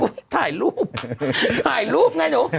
ถ่ายรูปถ่ายรูปไงหนู